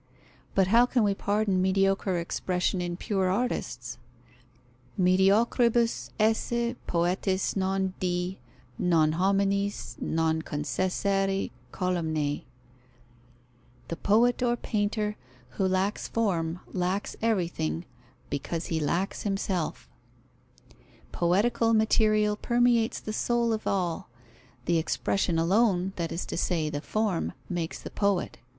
But how can we pardon mediocre expression in pure artists? Mediocribus esse poetis non di, non homines, non concessere columnae. The poet or painter who lacks form, lacks everything, because he lacks himself. Poetical material permeates the Soul of all: the expression alone, that is to say, the form, makes the poet.